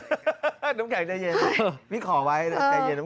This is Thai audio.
เออน้ำไข่ใจเย็นพี่ขอไว้ใจเย็นน้ำไข่ใจเย็น